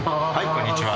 こんにちは。